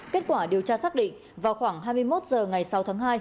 kết quả điều tra xác định vào khoảng hai mươi một h ngày sáu tháng hai